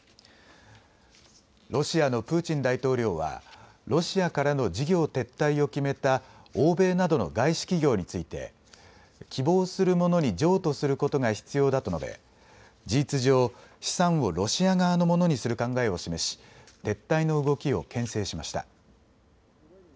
ロシアのプーチン大統領はロシアからの事業撤退を決めた欧米などの外資企業について希望する者に譲渡することが必要だと述べ事実上、資産をロシア側のものにする考えを示し撤退の動きをけん制しました。